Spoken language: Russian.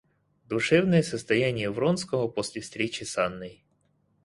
Душевное состояние Вронского после встречи с Анной.